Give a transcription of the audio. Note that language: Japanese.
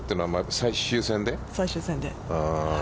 最終戦で。